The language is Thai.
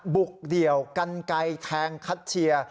บุกเดี่ยวกันไกลแทงคัชเชียร์